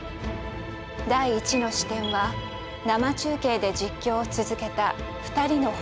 第１の視点は生中継で実況を続けた２人の報道マン。